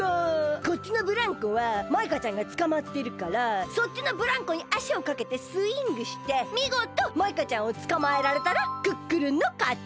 こっちのブランコはマイカちゃんがつかまってるからそっちのブランコにあしをかけてスイングしてみごとマイカちゃんをつかまえられたらクックルンのかち！